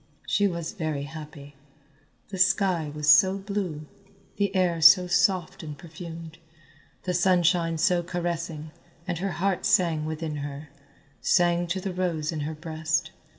She was very happy. The sky was so blue, the air so soft and perfumed, the sunshine so caressing, and her heart sang within her, sang to the rose in her breast.